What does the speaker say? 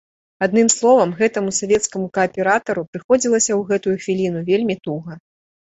Адным словам, гэтаму савецкаму кааператару прыходзілася ў гэтую хвіліну вельмі туга.